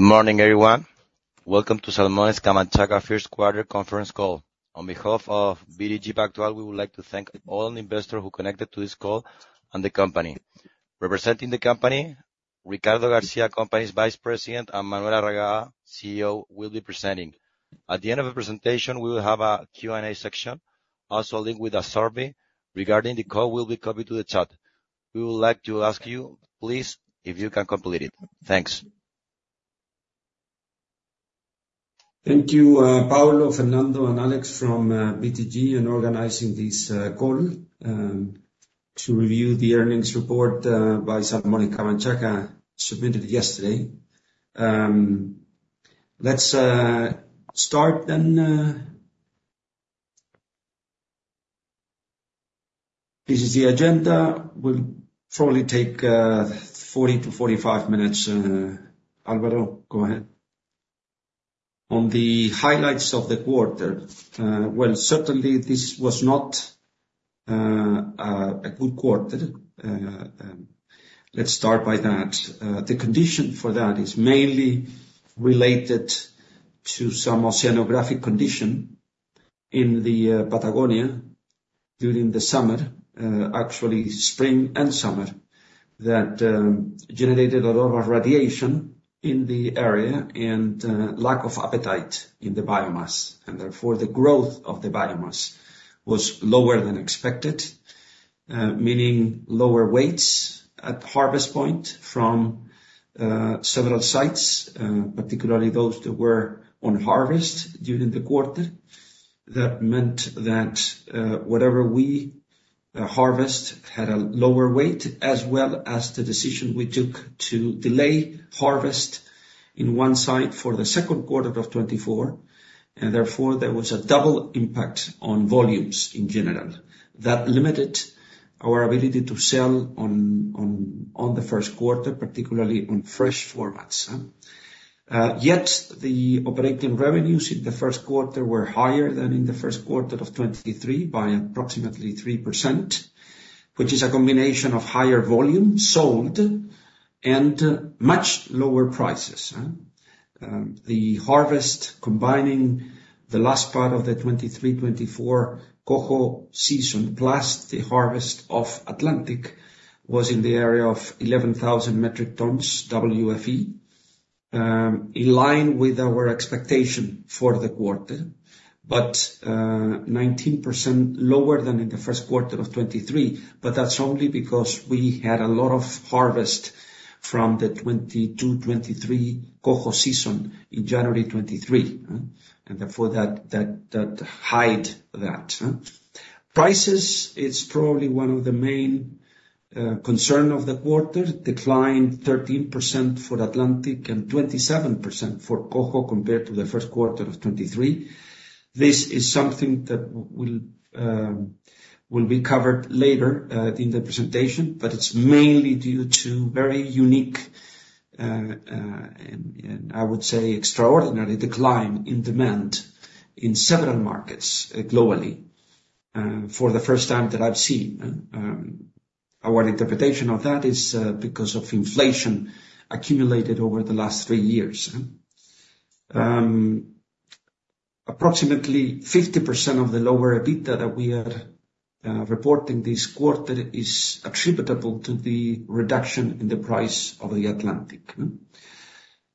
Good morning, everyone. Welcome to Salmones Camanchaca First Quarter Conference Call. On behalf of BTG Pactual, we would like to thank all investors who connected to this call and the company. Representing the company, Ricardo García, company's Vice President, and Manuel Arriagada, CEO, will be presenting. At the end of the presentation, we will have a Q&A section, also linked with a survey regarding the call will be copied to the chat. We would like to ask you, please, if you can complete it. Thanks. Thank you, Paulo, Fernando, and Alex from BTG, in organizing this call, to review the earnings report by Salmones Camanchaca, submitted yesterday. Let's start then. This is the agenda. We'll probably take 40-45 minutes, Alvaro, go ahead. On the highlights of the quarter, well, certainly, this was not a good quarter. Let's start by that. The condition for that is mainly related to some oceanographic condition in the Patagonia during the summer, actually spring and summer, that generated a lot of radiation in the area and lack of appetite in the biomass, and therefore, the growth of the biomass was lower than expected. Meaning lower weights at harvest point from several sites, particularly those that were on harvest during the quarter. That meant that whatever we harvest had a lower weight, as well as the decision we took to delay harvest in one site for the second quarter of 2024, and therefore, there was a double impact on volumes in general. That limited our ability to sell on the first quarter, particularly on fresh formats. Yet, the operating revenues in the first quarter were higher than in the first quarter of 2023 by approximately 3%, which is a combination of higher volume sold and much lower prices. The harvest, combining the last part of the 2023-2024 Coho season, plus the harvest of Atlantic, was in the area of 11,000 metric tons WFE. In line with our expectation for the quarter, but 19% lower than in the first quarter of 2023, but that's only because we had a lot of harvest from the 2022-2023 Coho season in January 2023, and therefore, that hides that. Prices, it's probably one of the main concern of the quarter, declined 13% for Atlantic and 27% for Coho, compared to the first quarter of 2023. This is something that will be covered later in the presentation, but it's mainly due to very unique and I would say extraordinary decline in demand in several markets globally, for the first time that I've seen. Our interpretation of that is because of inflation accumulated over the last three years. Approximately 50% of the lower EBITDA that we are reporting this quarter is attributable to the reduction in the price of the Atlantic.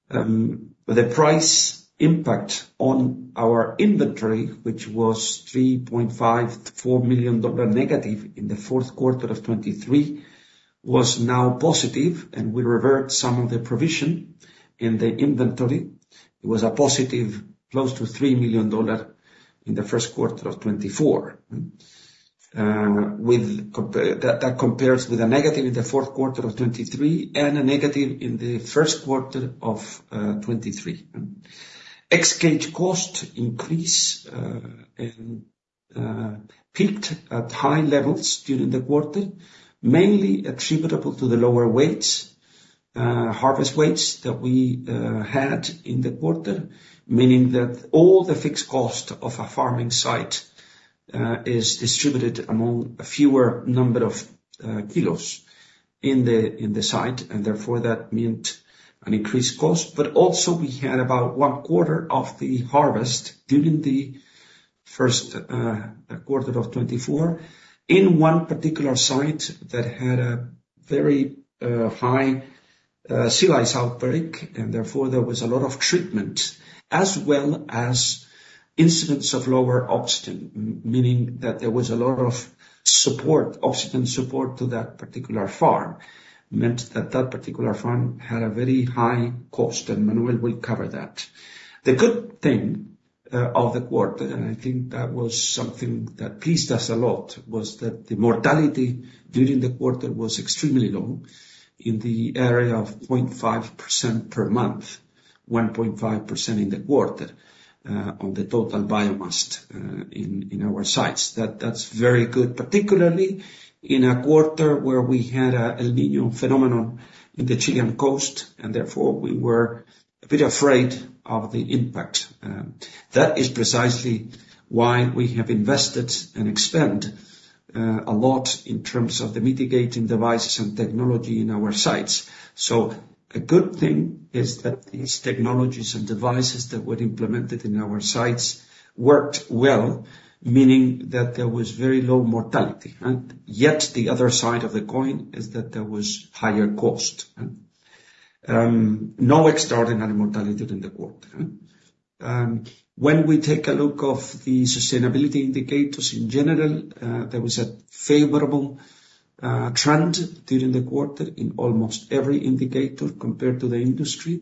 The price impact on our inventory, which was -$3.5 million to -$4 million in the fourth quarter of 2023, was now positive, and we revert some of the provision in the inventory. It was a positive, close to $3 million in the first quarter of 2024, that compares with a negative in the fourth quarter of 2023, and a negative in the first quarter of 2023. Ex-cage cost increase and peaked at high levels during the quarter, mainly attributable to the lower weights, harvest weights that we had in the quarter. Meaning that all the fixed cost of a farming site is distributed among a fewer number of kilos in the site, and therefore, that meant an increased cost. But also, we had about one quarter of the harvest during the first quarter of 2024, in one particular site that had a very high sea lice outbreak, and therefore, there was a lot of treatment, as well as incidents of lower oxygen, meaning that there was a lot of support, oxygen support, to that particular farm. Meant that that particular farm had a very high cost, and Manuel will cover that. The good thing of the quarter, and I think that was something that pleased us a lot, was that the mortality during the quarter was extremely low, in the area of 0.5% per month, 1.5% in the quarter, on the total biomass in our sites. That's very good, particularly in a quarter where we had an El Niño phenomenon in the Chilean coast, and therefore, we were a bit afraid of the impact. That is precisely why we have invested a lot in terms of the mitigating devices and technology in our sites. A good thing is that these technologies and devices that were implemented in our sites worked well, meaning that there was very low mortality, and yet the other side of the coin is that there was higher cost, no extraordinary mortality during the quarter. When we take a look at the sustainability indicators, in general, there was a favorable trend during the quarter in almost every indicator compared to the industry.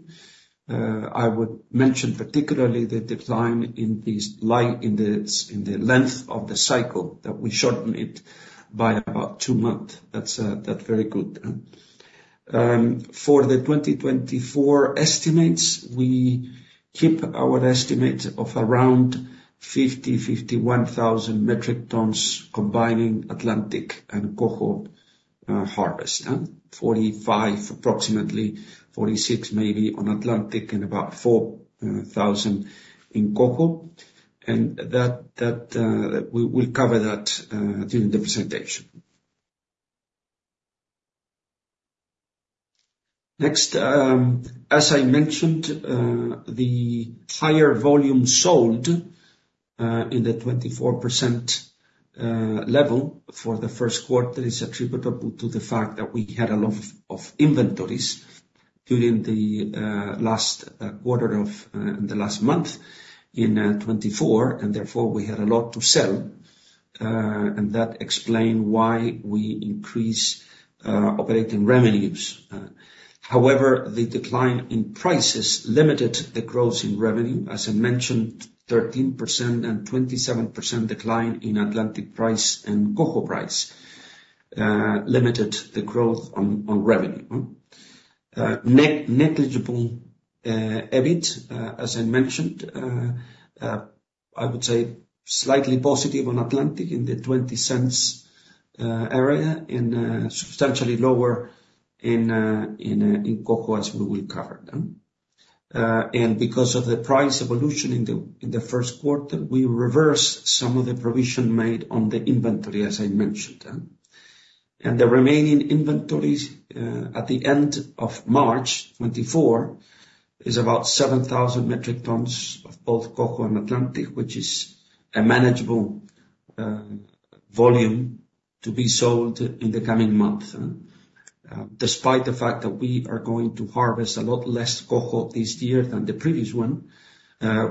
I would mention particularly the decline in the length of the cycle, that we shorten it by about two months. That's that very good. For the 2024 estimates, we keep our estimate of around 50,000-51,000 metric tons, combining Atlantic and Coho harvest. 45, approximately 46, maybe on Atlantic, and about 4,000 in Coho, and that we will cover that during the presentation. Next, as I mentioned, the higher volume sold in the 24% level for the first quarter is attributable to the fact that we had a lot of inventories during the last quarter of the last month in 2024, and therefore we had a lot to sell. And that explain why we increase operating revenues. However, the decline in prices limited the growth in revenue. As I mentioned, 13% and 27% decline in Atlantic price and Coho price limited the growth on revenue, negligible EBIT, as I mentioned, I would say slightly positive on Atlantic, in the $0.20 area, and substantially lower in Coho, as we will cover. Because of the price evolution in the first quarter, we reversed some of the provision made on the inventory, as I mentioned. The remaining inventories at the end of March 2024 is about 7,000 metric tons of both Coho and Atlantic, which is a manageable volume to be sold in the coming months. Despite the fact that we are going to harvest a lot less Coho this year than the previous one,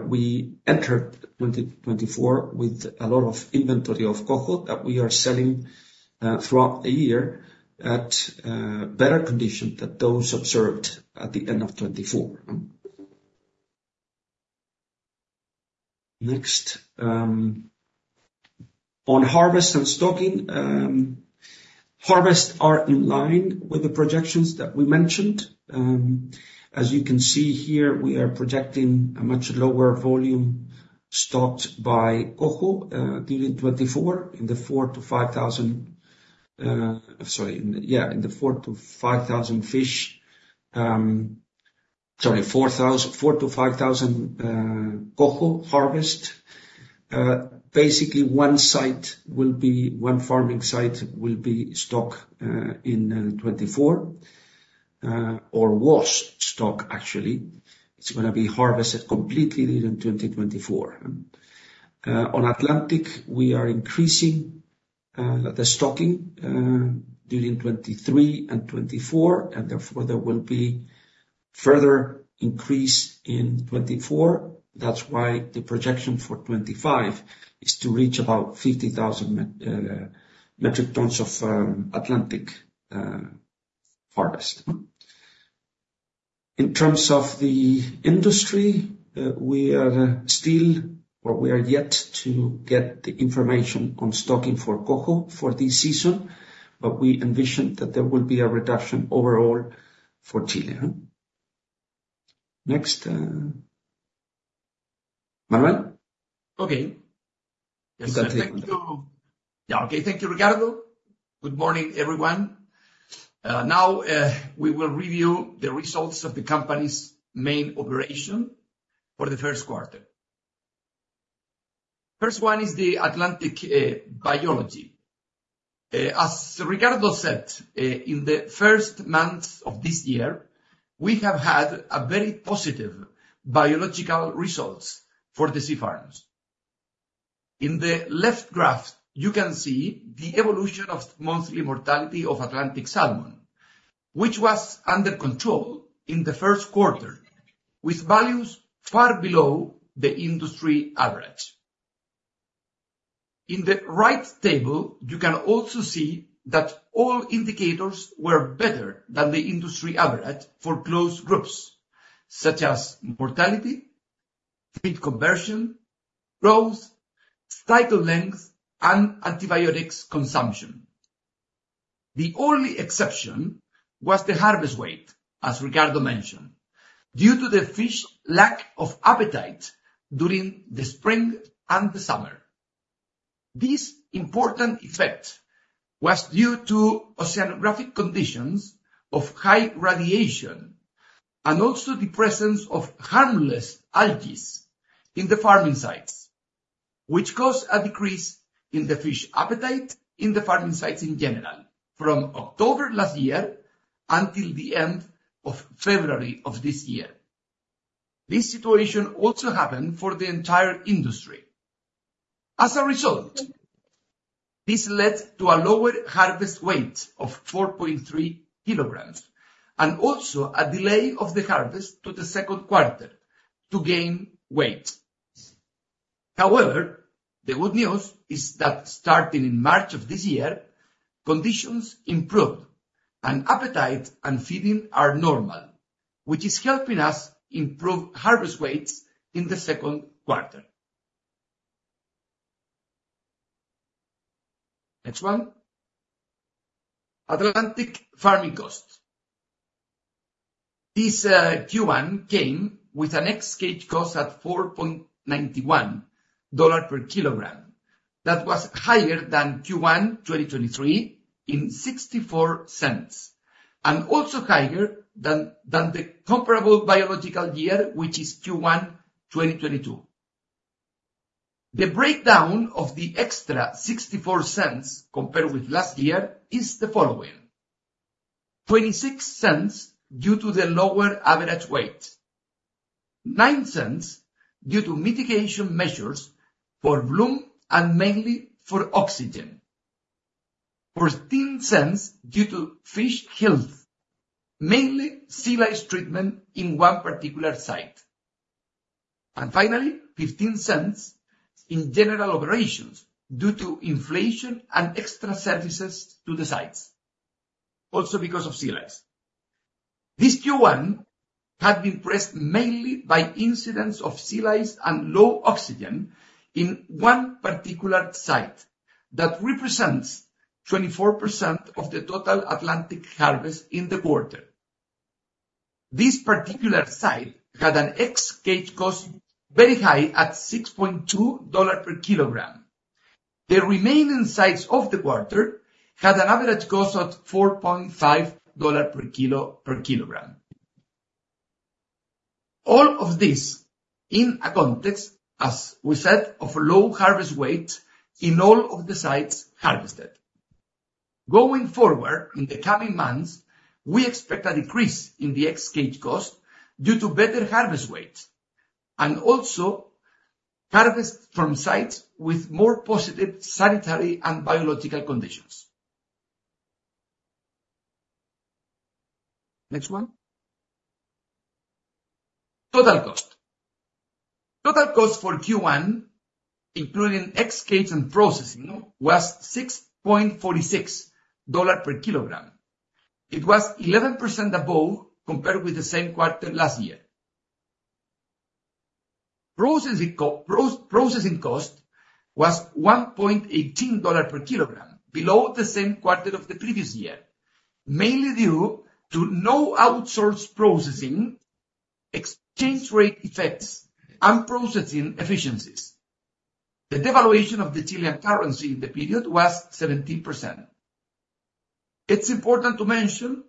we entered 2024 with a lot of inventory of Coho that we are selling throughout the year at better conditions than those observed at the end of 2024. Next, on harvest and stocking, harvest are in line with the projections that we mentioned. As you can see here, we are projecting a much lower volume stocked by Coho during 2024, in the 4,000-5,000 fish, sorry, 4,000-5,000 Coho harvest. Basically one site will be, one farming site will be stock in 2024, or was stock, actually. It's gonna be harvested completely during 2024. On Atlantic, we are increasing the stocking during 2023 and 2024, and therefore there will be further increase in 2024. That's why the projection for 2025 is to reach about 50,000 metric tons of Atlantic harvest. In terms of the industry, we are still, or we are yet to get the information on stocking for Coho for this season, but we envision that there will be a reduction overall for Chile. Next, Manuel? Okay. You can take it. Thank you. Yeah. Okay, thank you, Ricardo. Good morning, everyone. Now, we will review the results of the company's main operation for the first quarter. First one is the Atlantic biology. As Ricardo said, in the first months of this year, we have had a very positive biological results for the sea farms. In the left graph, you can see the evolution of monthly mortality of Atlantic salmon, which was under control in the first quarter, with values far below the industry average. In the right table, you can also see that all indicators were better than the industry average for close groups, such as mortality, feed conversion, growth, cycle length, and antibiotics consumption. The only exception was the harvest weight, as Ricardo mentioned, due to the fish lack of appetite during the spring and the summer. This important effect-... was due to oceanographic conditions of high radiation and also the presence of harmless algae in the farming sites, which caused a decrease in the fish appetite in the farming sites in general, from October last year until the end of February of this year. This situation also happened for the entire industry. As a result, this led to a lower harvest weight of 4.3 kg, and also a delay of the harvest to the second quarter to gain weight. However, the good news is that starting in March of this year, conditions improved, and appetite and feeding are normal, which is helping us improve harvest weights in the second quarter. Next one. Atlantic farming costs. This, Q1 came with an ex-cage cost at $4.91 per kilogram. That was higher than Q1 2023 in 0.64, and also higher than, than the comparable biological year, which is Q1 2022. The breakdown of the extra 0.64 compared with last year is the following: 0.26 due to the lower average weight, 0.09 due to mitigation measures for bloom and mainly for oxygen, 0.14 due to fish health, mainly sea lice treatment in one particular site. And finally, 0.15 in general operations due to inflation and extra services to the sites, also because of sea lice. This Q1 had been pressed mainly by incidents of sea lice and low oxygen in one particular site, that represents 24% of the total Atlantic harvest in the quarter. This particular site had an ex-cage cost very high at $6.2 per kilogram. The remaining sites of the quarter had an average cost of $4.5 per kilo, per kilogram. All of this in a context, as we said, of low harvest weight in all of the sites harvested. Going forward, in the coming months, we expect a decrease in the ex-cage cost due to better harvest weight, and also harvest from sites with more positive sanitary and biological conditions. Next one. Total cost. Total cost for Q1, including ex-cages and processing, was $6.46 per kilogram. It was 11% above compared with the same quarter last year. Processing cost was $1.18 per kilogram, below the same quarter of the previous year, mainly due to no outsourced processing, exchange rate effects, and processing efficiencies. The devaluation of the Chilean currency in the period was 17%. It's important to mention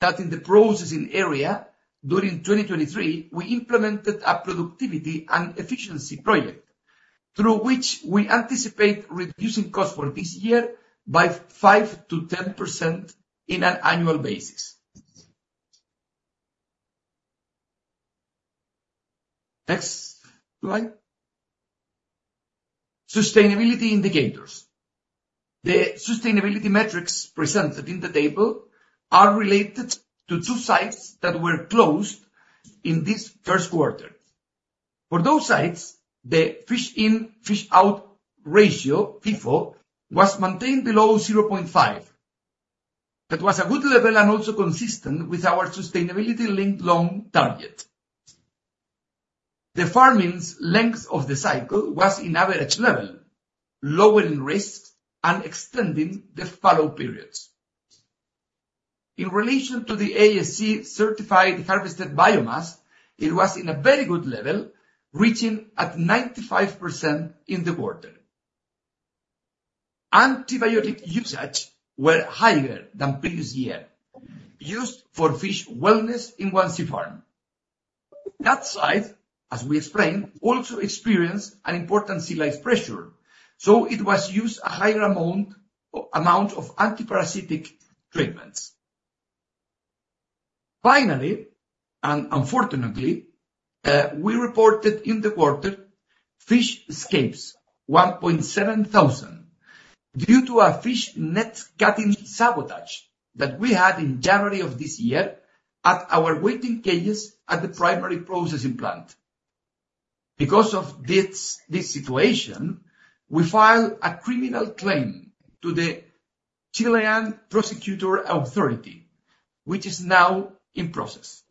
that in the processing area, during 2023, we implemented a productivity and efficiency project, through which we anticipate reducing costs for this year by 5%-10% in an annual basis. Next slide. Sustainability indicators. The sustainability metrics presented in the table are related to two sites that were closed in this first quarter. For those sites, the fish-in, fish-out ratio, FIFO, was maintained below 0.5. That was a good level and also consistent with our sustainability linked loan target. The farming's length of the cycle was in average level, lowering risks and extending the fallow periods. In relation to the ASC certified harvested biomass, it was in a very good level, reaching at 95% in the quarter. Antibiotic usage were higher than previous year, used for fish wellness in one sea farm. That site, as we explained, also experienced an important sea lice pressure, so it was used a higher amount of antiparasitic treatments. Finally, and unfortunately, we reported in the quarter fish escapes, 1,700, due to a fish net cutting sabotage that we had in January of this year at our waiting cages at the primary processing plant. Because of this situation, we filed a criminal claim to the Chilean prosecutor authority, which is now in process.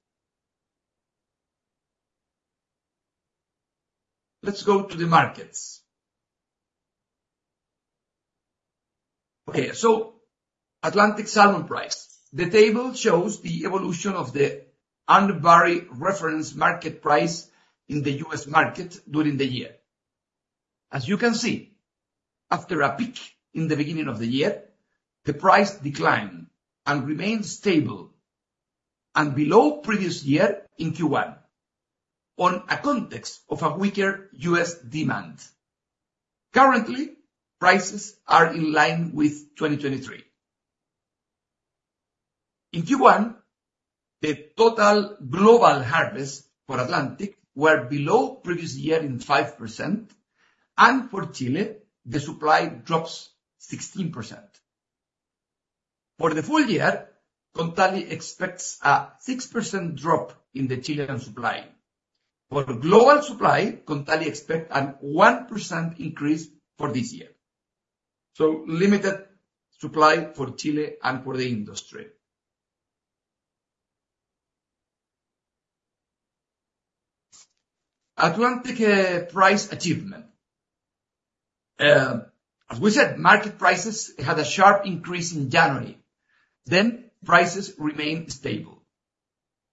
Let's go to the markets. Okay, Atlantic salmon price. The table shows the evolution of the Urner Barry reference market price in the U.S. market during the year. As you can see, after a peak in the beginning of the year, the price declined and remained stable and below previous year in Q1, on a context of a weaker U.S. demand. Currently, prices are in line with 2023. In Q1, the total global harvest for Atlantic were below previous year in 5%, and for Chile, the supply drops 16%. For the full year, Kontali expects a 6% drop in the Chilean supply. For global supply, Kontali expect a 1% increase for this year. So limited supply for Chile and for the industry. Atlantic price achievement. As we said, market prices had a sharp increase in January, then prices remained stable.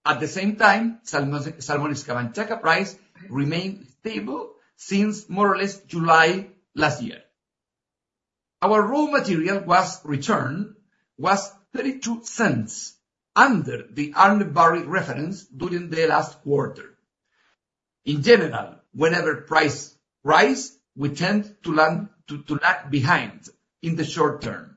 At the same time, Salmones Camanchaca price remained stable since more or less July last year. Our raw material was returned $0.32 under the Urner Barry reference during the last quarter. In general, whenever price rise, we tend to lag behind in the short term.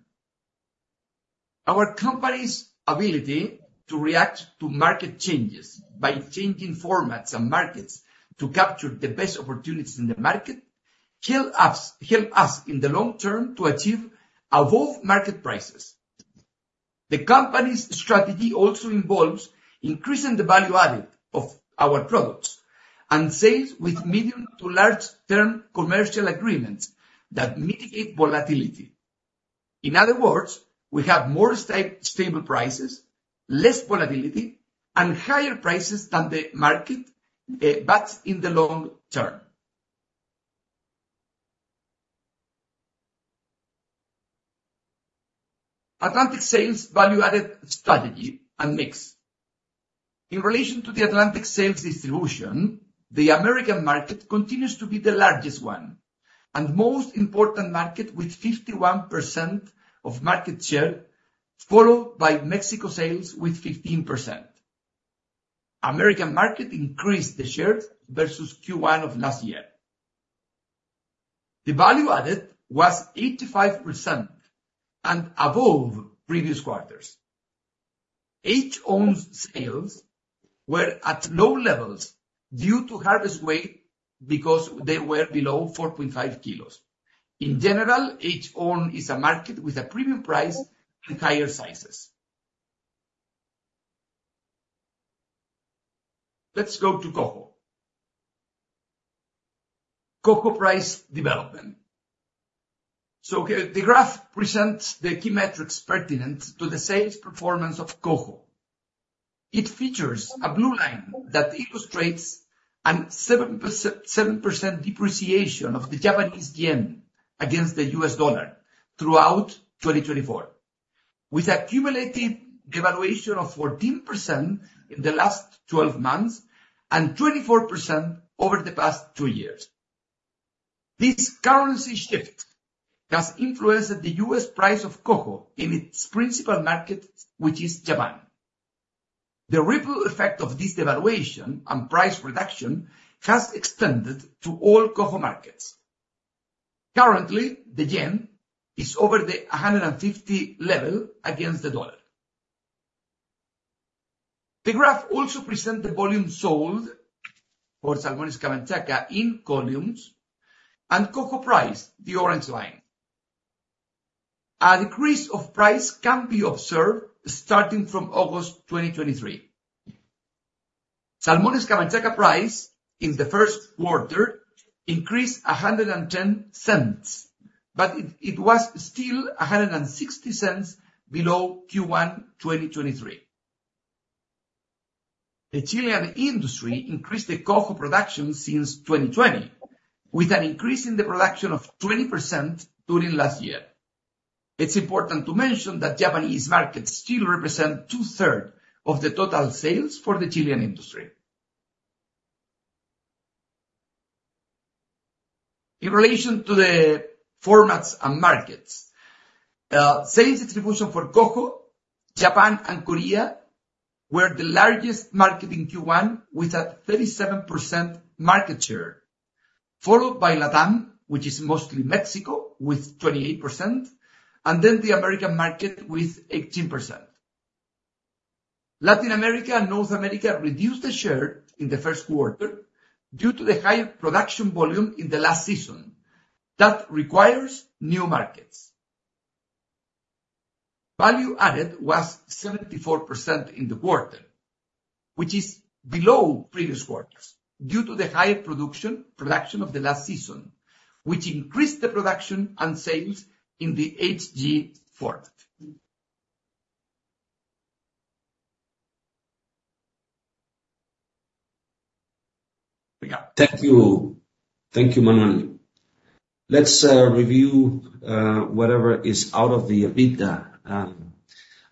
Our company's ability to react to market changes by changing formats and markets to capture the best opportunities in the market helps us in the long term to achieve above market prices. The company's strategy also involves increasing the value added of our products and sales with medium to large term commercial agreements that mitigate volatility. In other words, we have more stable prices, less volatility, and higher prices than the market, but in the long term. Atlantic sales value added strategy and mix. In relation to the Atlantic sales distribution, the American market continues to be the largest one, and most important market with 51% of market share, followed by Mexico sales with 15%. American market increased the shares versus Q1 of last year. The value added was 85% and above previous quarters. HON sales were at low levels due to harvest weight because they were below 4.5 kilos. In general, HON is a market with a premium price and higher sizes. Let's go to Coho. Coho price development. So the graph presents the key metrics pertinent to the sales performance of Coho. It features a blue line that illustrates a 7% depreciation of the Japanese yen against the U.S. dollar throughout 2024, with a cumulative devaluation of 14% in the last 12 months and 24% over the past two years. This currency shift has influenced the U.S. price of Coho in its principal market, which is Japan. The ripple effect of this devaluation and price reduction has extended to all Coho markets. Currently, the yen is over the 150 level against the dollar. The graph also present the volume sold for Salmones Camanchaca in columns and Coho price, the orange line. A decrease of price can be observed starting from August 2023. Salmones Camanchaca price in the first quarter increased $1.10, but it, it was still $1.60 below Q1 2023. The Chilean industry increased the Coho production since 2020, with an increase in the production of 20% during last year. It's important to mention that Japanese market still represent two-thirds of the total sales for the Chilean industry. In relation to the formats and markets, sales distribution for Coho, Japan and Korea were the largest market in Q1, with a 37% market share, followed by LATAM, which is mostly Mexico, with 28%, and then the American market with 18%. Latin America and North America reduced the share in the first quarter due to the high production volume in the last season. That requires new markets. Value added was 74% in the quarter, which is below previous quarters, due to the high production, production of the last season, which increased the production and sales in the HG format.... Thank you. Thank you, Manuel. Let's review whatever is out of the EBITDA.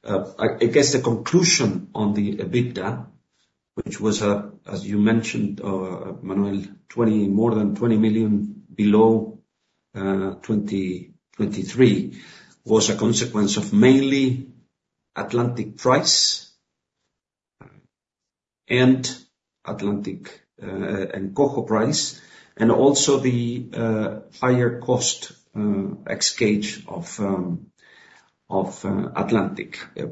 I guess the conclusion on the EBITDA, which was, as you mentioned, Manuel, more than $20 million below 2023, was a consequence of mainly Atlantic price and Atlantic and Coho price, and also the higher cost ex cage of Atlantic. Yeah.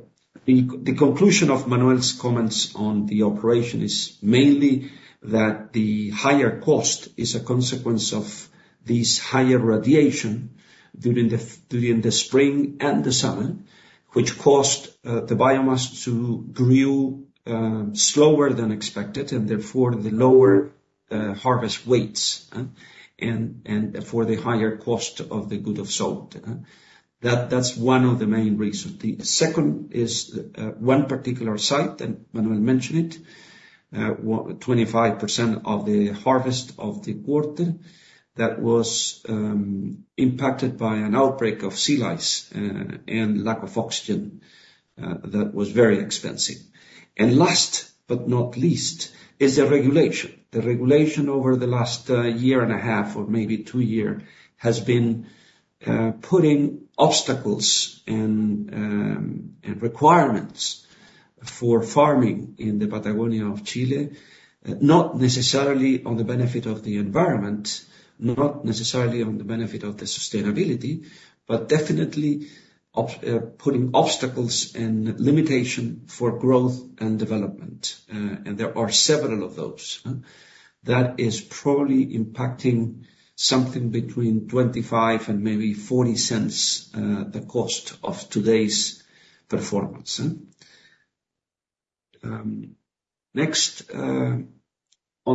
The conclusion of Manuel's comments on the operation is mainly that the higher cost is a consequence of this higher radiation during the spring and the summer, which caused the biomass to grow slower than expected, and therefore, the lower harvest weights and for the higher cost of the good of salt. That's one of the main reasons. The second is, one particular site, and Manuel mentioned it, 25% of the harvest of the quarter that was, impacted by an outbreak of sea lice, and lack of oxygen, that was very expensive. And last but not least, is the regulation. The regulation over the last, year and a half or maybe two years, has been, putting obstacles and, and requirements for farming in the Patagonia of Chile, not necessarily on the benefit of the environment, not necessarily on the benefit of the sustainability, but definitely putting obstacles and limitation for growth and development, and there are several of those. That is probably impacting something between $0.25 and maybe $0.40, the cost of today's performance. Next, on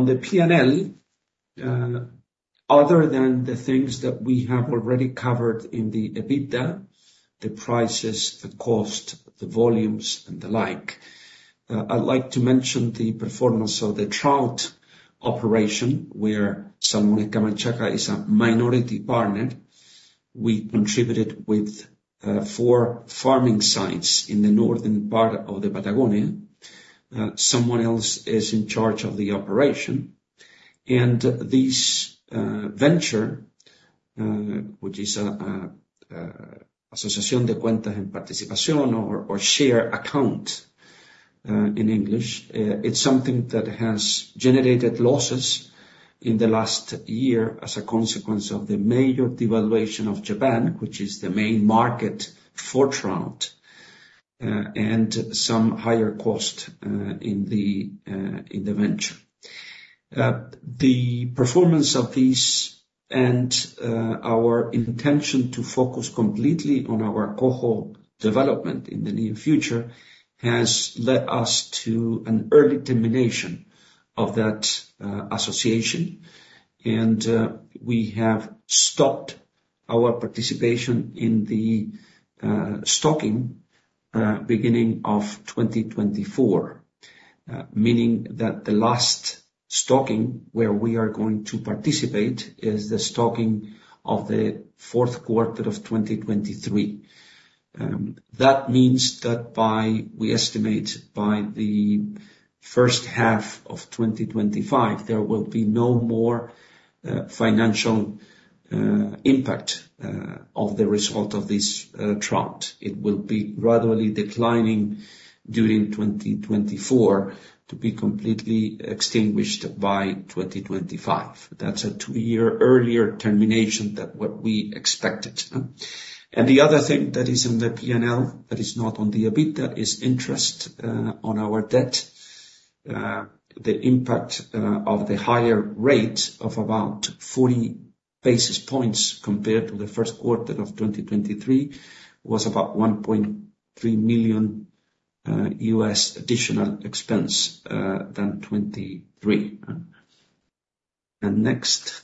the P&L, other than the things that we have already covered in the EBITDA, the prices, the cost, the volumes, and the like, I'd like to mention the performance of the trout operation, where Salmones Camanchaca is a minority partner. We contributed with four farming sites in the northern part of the Patagonia. Someone else is in charge of the operation. And this venture, which is Asociación de Cuentas en Participación or share account in English, it's something that has generated losses in the last year as a consequence of the major devaluation of Japan, which is the main market for trout, and some higher cost in the venture. The performance of these and our intention to focus completely on our Coho development in the near future has led us to an early termination of that association, and we have stopped our participation in the stocking beginning of 2024. Meaning that the last stocking where we are going to participate is the stocking of the fourth quarter of 2023. That means that by... We estimate by the first half of 2025, there will be no more financial impact of the result of this trout. It will be gradually declining during 2024 to be completely extinguished by 2025. That's a two-year earlier termination than what we expected. And the other thing that is in the P&L, that is not on the EBITDA, is interest on our debt. The impact of the higher rate of about 40 basis points compared to the first quarter of 2023 was about $1.3 million additional expense than 2023. Next.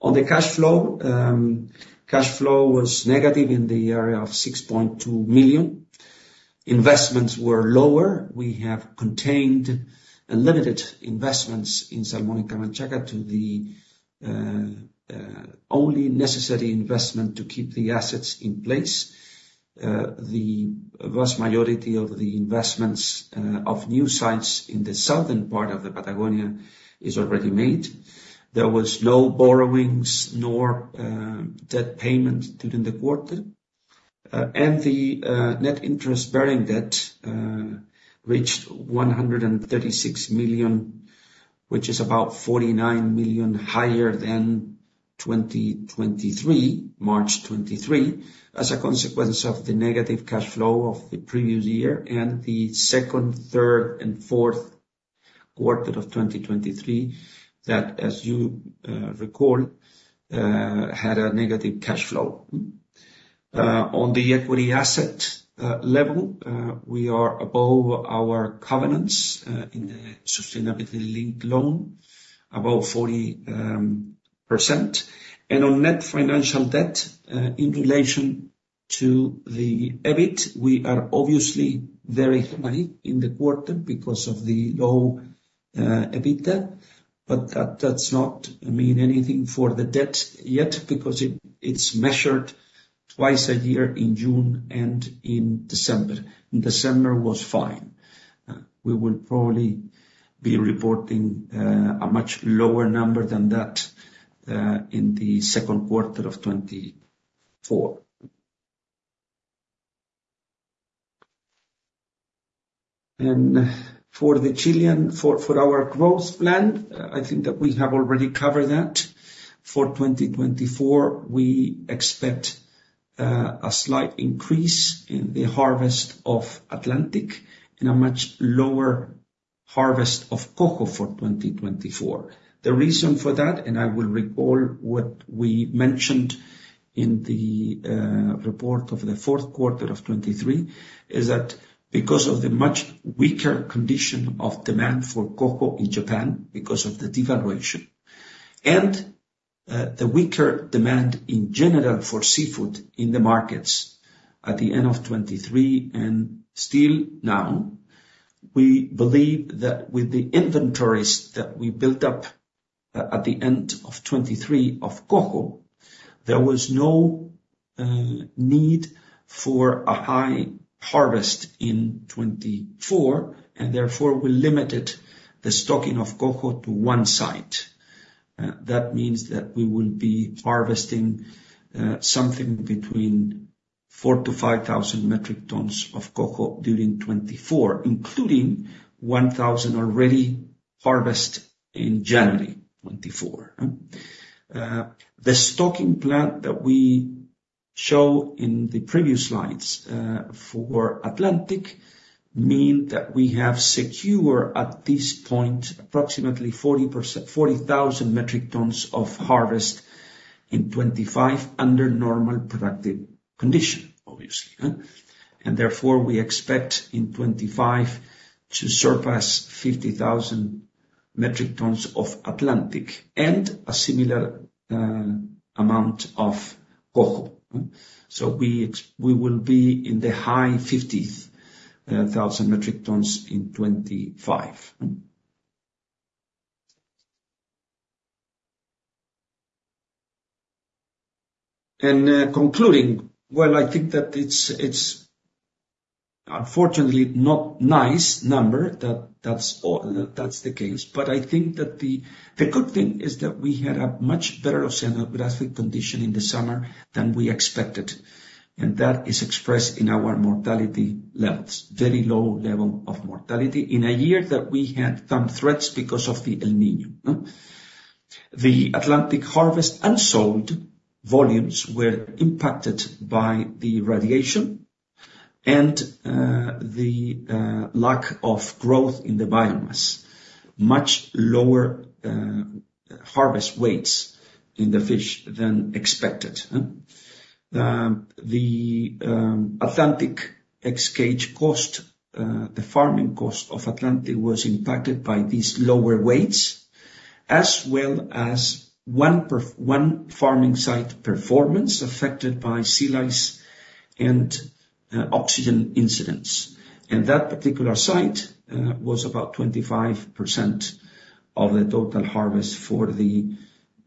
On the cash flow, cash flow was negative in the area of $6.2 million. Investments were lower. We have contained and limited investments in Salmones Camanchaca to the only necessary investment to keep the assets in place. The vast majority of the investments of new sites in the southern part of the Patagonia is already made. There was no borrowings nor debt payment during the quarter. And the net interest-bearing debt reached $136 million, which is about $49 million higher than 2023, March 2023, as a consequence of the negative cash flow of the previous year, and the second, third, and fourth quarters of 2023, that, as you recall, had a negative cash flow. On the equity asset level, we are above our covenants in the sustainability-linked loan, above 40%. And on net financial debt in relation to the EBIT, we are obviously very heavy in the quarter because of the low EBITDA, but that doesn't mean anything for the debt yet, because it is measured twice a year, in June and in December. In December was fine. We will probably be reporting a much lower number than that in the second quarter of 2024. For the Chilean, for our growth plan, I think that we have already covered that. For 2024, we expect a slight increase in the harvest of Atlantic and a much lower harvest of Coho for 2024. The reason for that, and I will recall what we mentioned in the report of the fourth quarter of 2023, is that because of the much weaker condition of demand for Coho in Japan, because of the devaluation, and the weaker demand in general for seafood in the markets at the end of 2023 and still now, we believe that with the inventories that we built up at the end of 2023 of Coho, there was no need for a high harvest in 2024, and therefore, we limited the stocking of Coho to one site. That means that we will be harvesting something between 4,000-5,000 metric tons of Coho during 2024, including 1,000 already harvest in January 2024. The stocking plan that we show in the previous slides for Atlantic mean that we have secure, at this point, approximately 40%-40,000 metric tons of harvest in 2025, under normal productive condition, obviously. And therefore, we expect in 2025 to surpass 50,000 metric tons of Atlantic and a similar amount of Coho. So we ex- we will be in the high 50s thousand metric tons in 2025. And concluding, well, I think that it's, it's unfortunately not nice number, that- that's all, that's the case. But I think that the good thing is that we had a much better oceanographic condition in the summer than we expected, and that is expressed in our mortality levels. Very low level of mortality in a year that we had some threats because of the El Niño. The Atlantic harvest unsold volumes were impacted by the radiation and the lack of growth in the biomass. Much lower harvest weights in the fish than expected. The Atlantic ex-cage cost, the farming cost of Atlantic was impacted by these lower weights, as well as one farming site performance affected by sea lice and oxygen incidents. And that particular site was about 25% of the total harvest for the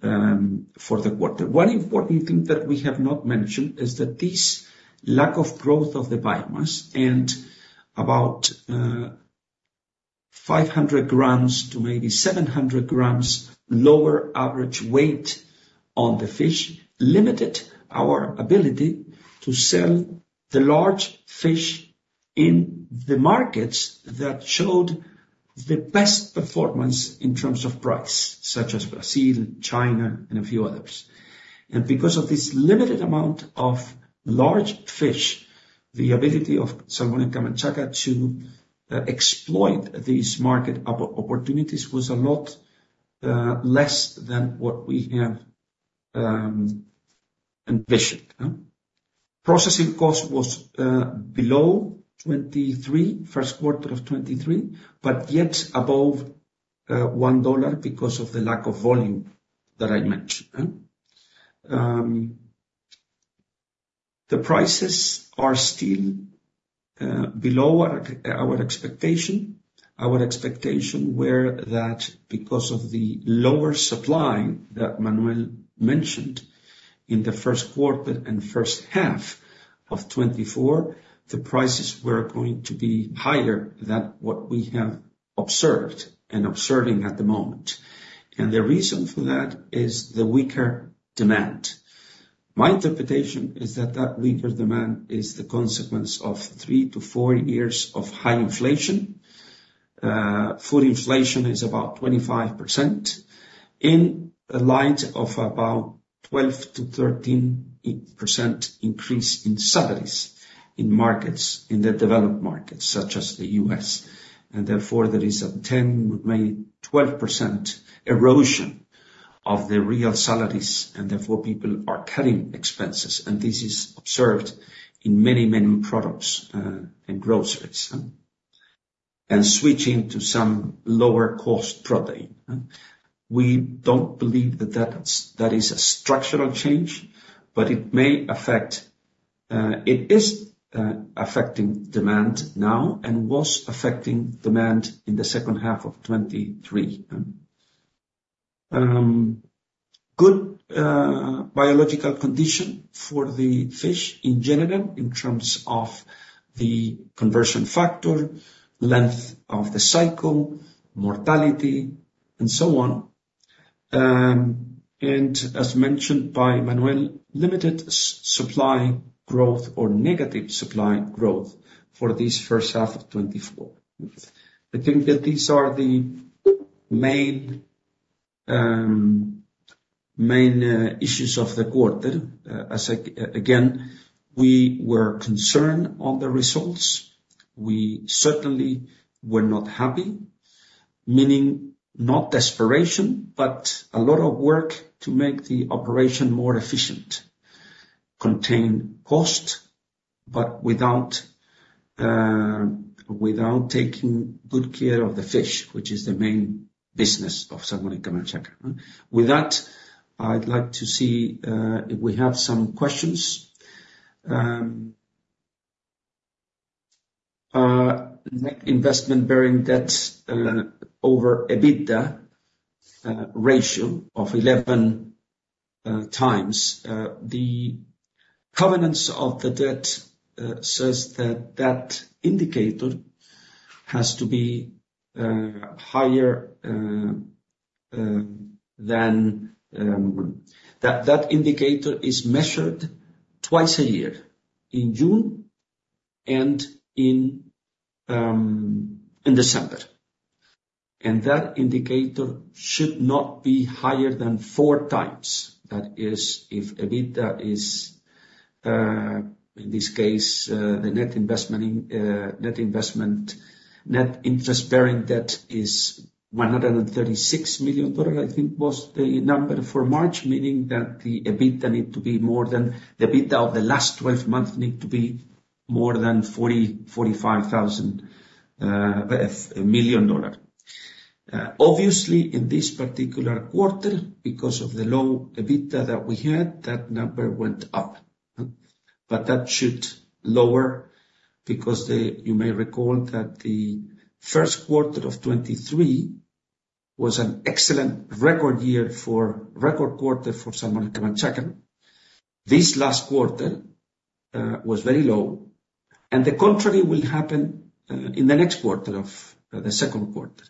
quarter. One important thing that we have not mentioned is that this lack of growth of the biomass and about 500 g to maybe 700 g lower average weight on the fish limited our ability to sell the large fish in the markets that showed the best performance in terms of price, such as Brazil, China, and a few others. And because of this limited amount of large fish, the ability of Salmones Camanchaca to exploit these market opportunities was a lot less than what we have envisioned. Processing cost was below $23, first quarter of 2023, but yet above $1 because of the lack of volume that I mentioned. The prices are still below our expectation. Our expectation were that because of the lower supply, that Manuel mentioned, in the first quarter and first half of 2024, the prices were going to be higher than what we have observed and observing at the moment. The reason for that is the weaker demand. My interpretation is that, that weaker demand is the consequence of three to four years of high inflation. Food inflation is about 25% in light of about 12-13% increase in salaries, in markets, in the developed markets such as the U.S. Therefore, there is a 10, maybe 12% erosion of the real salaries, and therefore, people are cutting expenses, and this is observed in many, many products, in groceries, huh? Switching to some lower cost protein, huh? We don't believe that that's, that is a structural change, but it may affect. It is affecting demand now and was affecting demand in the second half of 2023. Good biological condition for the fish in general, in terms of the conversion factor, length of the cycle, mortality, and so on. And as mentioned by Manuel, limited supply growth or negative supply growth for this first half of 2024. I think that these are the main issues of the quarter. As I again, we were concerned on the results. We certainly were not happy, meaning not desperation, but a lot of work to make the operation more efficient. Contain cost, but without taking good care of the fish, which is the main business of Salmones Camanchaca. With that, I'd like to see if we have some questions. Net interest-bearing debt over EBITDA ratio of 11x. The covenants of the debt says that that indicator has to be higher than... That indicator is measured twice a year, in June and in December. And that indicator should not be higher than four times. That is, if EBITDA is, in this case, the net interest-bearing debt is $136 million, I think, was the number for March, meaning that the EBITDA need to be more than, the EBITDA of the last 12 months need to be more than $45 million. Obviously, in this particular quarter, because of the low EBITDA that we had, that number went up, huh? But that should lower because the... You may recall that the first quarter of 2023 was an excellent record quarter for Salmones Camanchaca. This last quarter was very low, and the contrary will happen in the next quarter, the second quarter.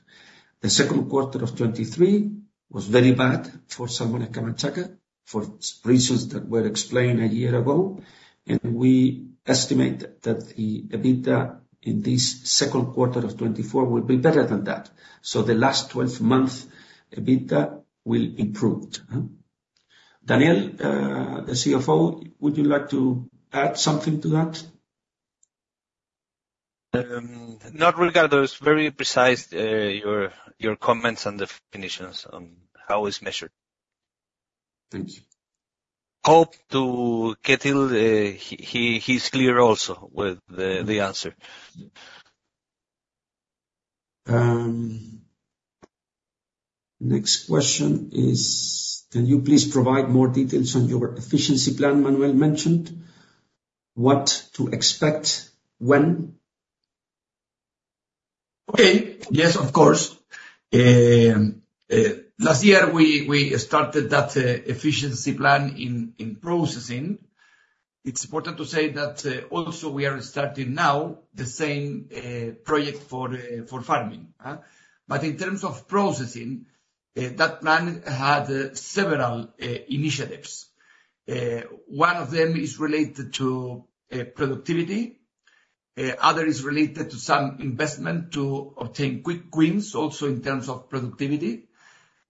The second quarter of 2023 was very bad for Salmones Camanchaca for reasons that were explained a year ago, and we estimate that the EBITDA in this second quarter of 2024 will be better than that. So the last 12 months, EBITDA will improved, huh? Daniel, the CFO, would you like to add something to that? Not Ricardo, it's very precise, your comments and definitions on how it's measured. Thanks. Hope to Ketil, he's clear also with the answer. Next question is: Can you please provide more details on your efficiency plan Manuel mentioned? What to expect when? Okay. Yes, of course. Last year, we started that efficiency plan in processing. It's important to say that, also we are starting now the same project for farming, huh? But in terms of processing, that plan had several initiatives. One of them is related to productivity, other is related to some investment to obtain quick wins, also in terms of productivity,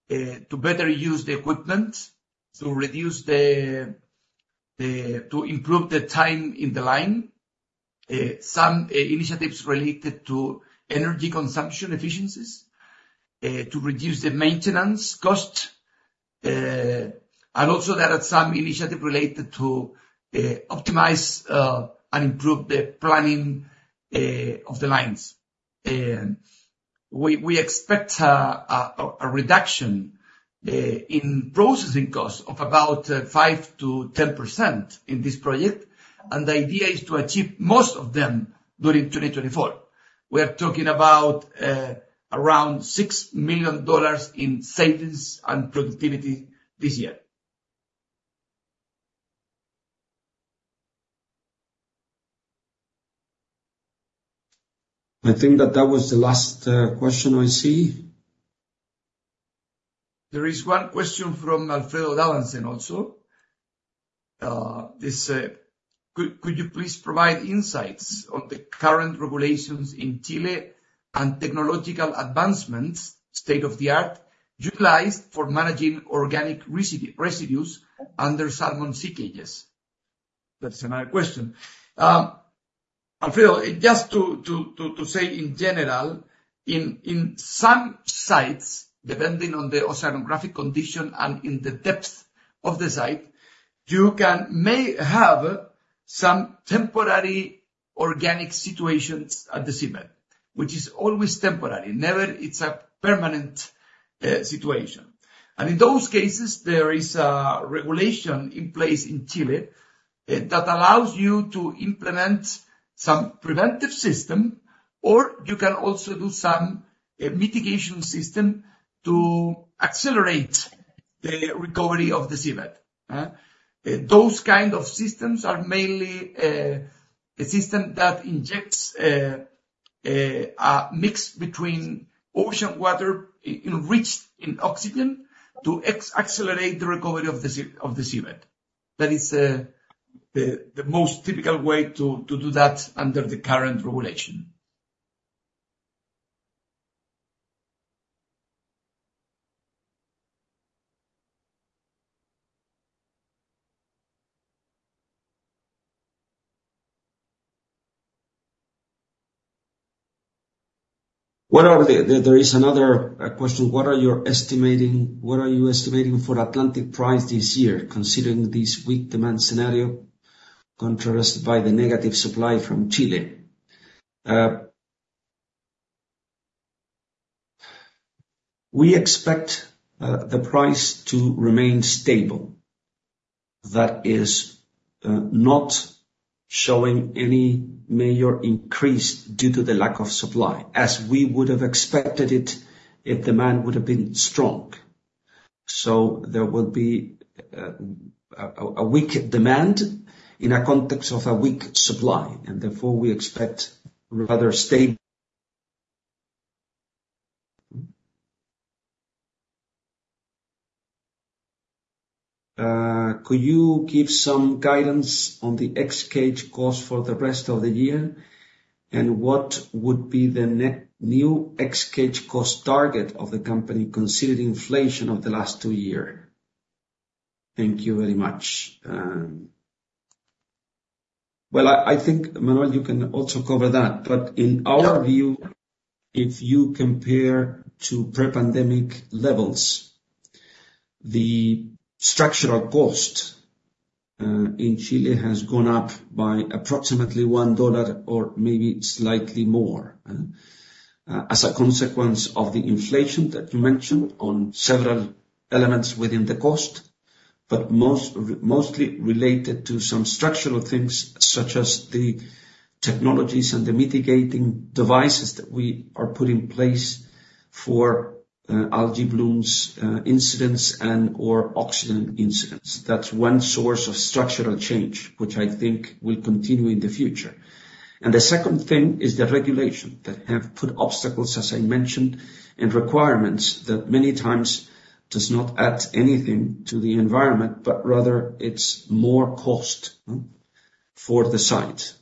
to better use the equipment, to reduce the to improve the time in the line. Some initiatives related to energy consumption efficiencies, to reduce the maintenance cost, and also there are some initiative related to optimize and improve the planning of the lines. We expect a reduction in processing costs of about 5%-10% in this project, and the idea is to achieve most of them during 2024. We're talking about around $6 million in savings and productivity this year. I think that that was the last question I see. There is one question from Alfredo Dabancens also. Could you please provide insights on the current regulations in Chile and technological advancements, state-of-the-art, utilized for managing organic residues under salmon sea cages? That's another question. Alfredo, just to say in general, in some sites, depending on the oceanographic condition and in the depth of the site, you may have some temporary organic situations at the seabed, which is always temporary, never it's a permanent situation. And in those cases, there is a regulation in place in Chile that allows you to implement some preventive system, or you can also do some mitigation system to accelerate the recovery of the seabed? Those kind of systems are mainly a system that injects a mix between ocean water, enriched in oxygen, to accelerate the recovery of the seabed. That is, the most typical way to do that under the current regulation. There is another question: What are you estimating for Atlantic price this year, considering this weak demand scenario, contrasted by the negative supply from Chile? We expect the price to remain stable. That is, not showing any major increase due to the lack of supply, as we would have expected it if demand would have been strong. So there will be a weak demand in a context of a weak supply, and therefore, we expect rather stable. Could you give some guidance on the ex-cage cost for the rest of the year? And what would be the new ex-cage cost target of the company, considering inflation of the last two year? Thank you very much. Well, I think, Manuel, you can also cover that. But in our view, if you compare to pre-pandemic levels, the structural cost in Chile has gone up by approximately $1 or maybe slightly more, as a consequence of the inflation that you mentioned on several elements within the cost, but mostly related to some structural things, such as the technologies and the mitigating devices that we are putting in place for algae blooms incidents and/or oxygen incidents. That's one source of structural change, which I think will continue in the future. And the second thing is the regulation that have put obstacles, as I mentioned, and requirements that many times does not add anything to the environment, but rather it's more cost for the site.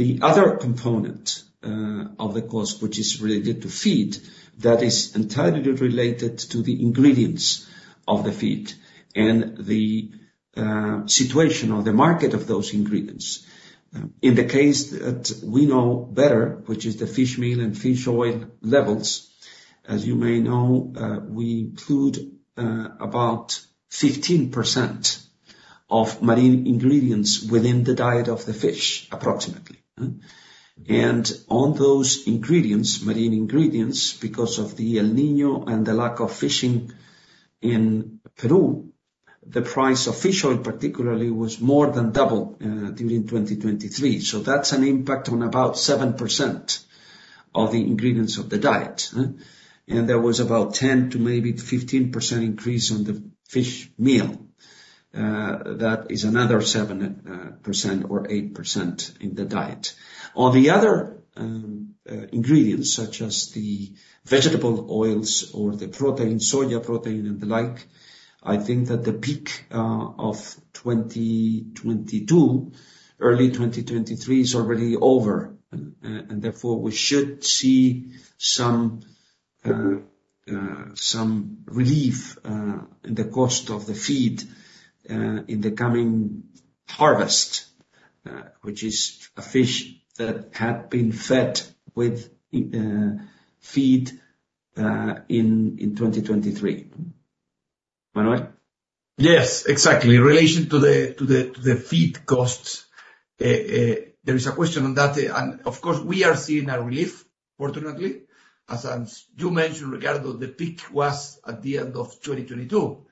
The other component of the cost, which is related to feed, that is entirely related to the ingredients of the feed and the situation or the market of those ingredients. In the case that we know better, which is the fish meal and fish oil levels, as you may know, we include about 15% of marine ingredients within the diet of the fish, approximately. And on those ingredients, marine ingredients, because of the El Niño and the lack of fishing in Peru, the price of fish oil particularly, was more than double during 2023. So that's an impact on about 7% of the ingredients of the diet. And there was about 10%-maybe 15% increase on the fish meal. That is another 7% or 8% in the diet. On the other ingredients, such as the vegetable oils or the protein, soy protein, and the like, I think that the peak of 2022, early 2023, is already over. And, and, and therefore, we should see some relief in the cost of the feed in the coming harvest, which is a fish that had been fed with feed in 2023. Manuel? Yes, exactly. In relation to the feed costs, there is a question on that, and of course, we are seeing a relief, fortunately. As you mentioned, Ricardo, the peak was at the end of 2022.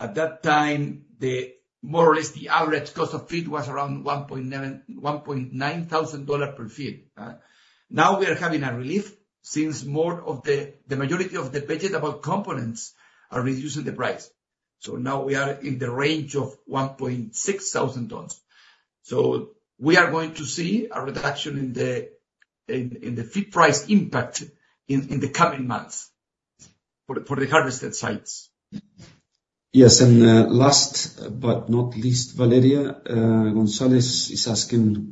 At that time, more or less, the average cost of feed was around $1.9, $1.9 thousand dollar per feed. Now we are having a relief, since more of the majority of the vegetable components are reducing the price. So now we are in the range of $1.6 thousand dollars. So we are going to see a reduction in the feed price impact in the coming months for the harvested sites. Yes, and last but not least, Valeria Gonzalez is asking: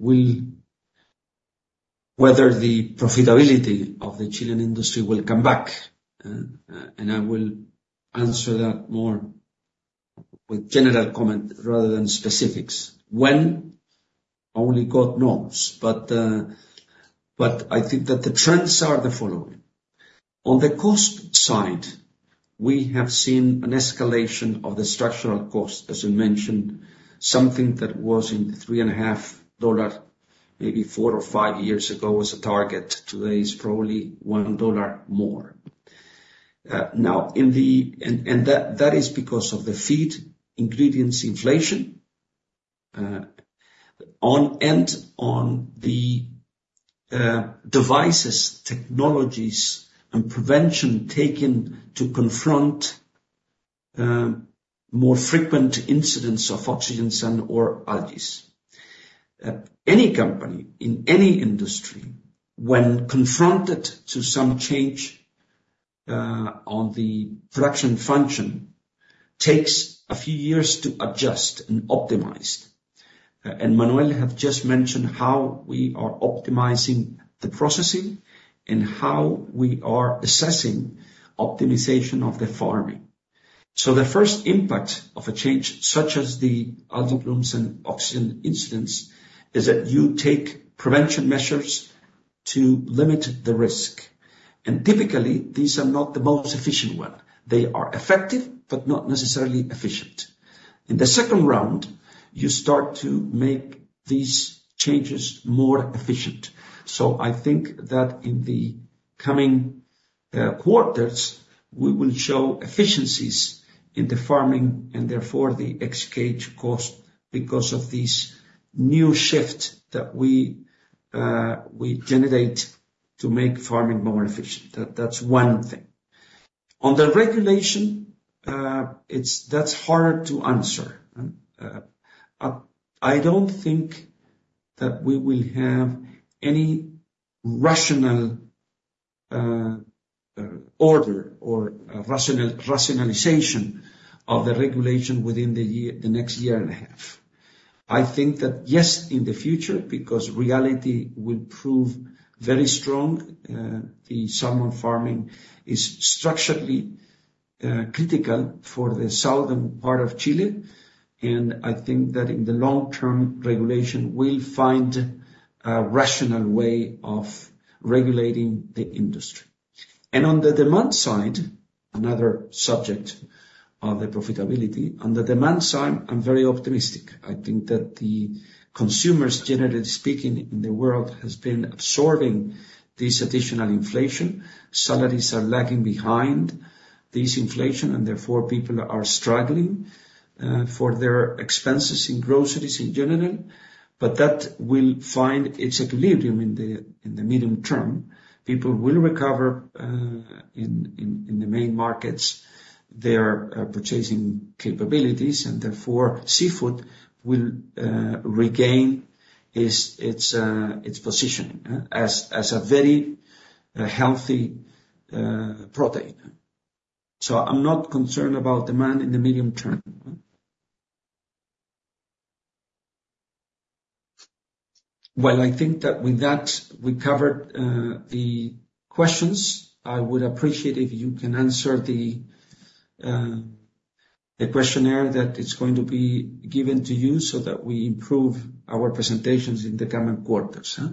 whether the profitability of the Chilean industry will come back, and I will answer that more with general comment rather than specifics. When? Only God knows. But I think that the trends are the following: On the cost side, we have seen an escalation of the structural cost, as you mentioned, something that was in $3.5, maybe four or five years ago, as a target, today is probably $1 more. Now, and that is because of the feed ingredients inflation, on and on the devices, technologies, and prevention taken to confront more frequent incidents of oxygen and/or algae. Any company in any industry, when confronted to some change, on the production function, takes a few years to adjust and optimize. Manuel have just mentioned how we are optimizing the processing and how we are assessing optimization of the farming. So the first impact of a change, such as the algae blooms and oxygen incidents, is that you take prevention measures to limit the risk, and typically, these are not the most efficient one. They are effective, but not necessarily efficient. In the second round, you start to make these changes more efficient. So I think that in the coming quarters, we will show efficiencies in the farming and therefore, the ex-cage cost because of this new shift that we generate to make farming more efficient. That, that's one thing. On the regulation, it's, that's hard to answer. I don't think that we will have any rational order or rationalization of the regulation within the year, the next year and a half. I think that, yes, in the future, because reality will prove very strong, the salmon farming is structurally critical for the southern part of Chile, and I think that in the long term, regulation will find a rational way of regulating the industry. And on the demand side, another subject on the profitability, on the demand side, I'm very optimistic. I think that the consumers, generally speaking, in the world, has been absorbing this additional inflation. Salaries are lagging behind this inflation, and therefore, people are struggling for their expenses in groceries in general, but that will find its equilibrium in the medium term. People will recover in the main markets their purchasing capabilities, and therefore, seafood will regain its positioning as a very healthy protein. So I'm not concerned about demand in the medium term. Well, I think that with that, we covered the questions. I would appreciate if you can answer the questionnaire that is going to be given to you so that we improve our presentations in the coming quarters, huh?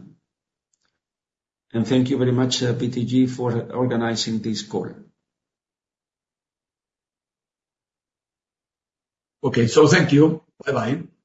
And thank you very much, BTG, for organizing this call. Okay, so thank you. Bye-bye.